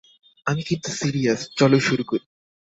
আমি কিন্তু সিরিয়াস, চলো শুরু করি।